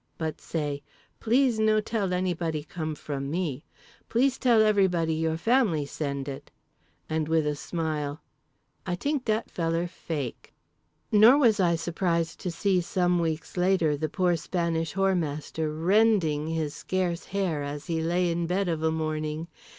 But say: Please no tell anybody come from me. Please tell everybody your family send it." And with a smile, "I t'ink dat feller fake." Nor was I surprised to see, some weeks later, the poor Spanish Whoremaster rending his scarce hair as he lay in bed of a morning.